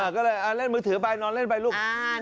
ก็เลยเล่นมือถือไปนอนเล่นไปลูก